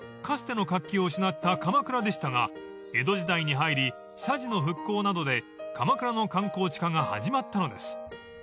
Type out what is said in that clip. かつての活気を失った鎌倉でしたが江戸時代に入り社寺の復興などで鎌倉の観光地化が始まったのです］